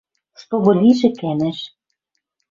Чтобы лижӹ кӓнӓш